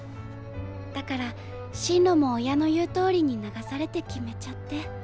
だから進路も親の言うとおりに流されて決めちゃって。